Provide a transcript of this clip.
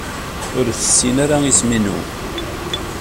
Ur tessin ara isem-inu.